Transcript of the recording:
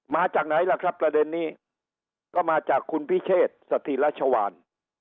มาจากไหนล่ะครับประเด็นนี้ก็มาจากคุณพิเชษสถิรัชวาน